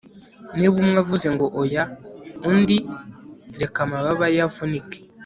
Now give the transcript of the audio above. niba umwe avuze ngo oya undi, reka amababa ye avunike